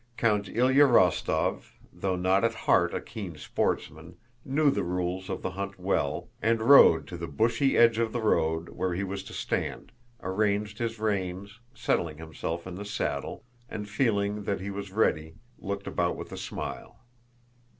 Count Ilyá Rostóv, though not at heart a keen sportsman, knew the rules of the hunt well, and rode to the bushy edge of the road where he was to stand, arranged his reins, settled himself in the saddle, and, feeling that he was ready, looked about with a smile.